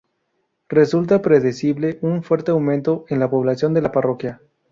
Resulta predecible un fuerte aumento en la población de la parroquia.